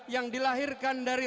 yang dilahirkan dari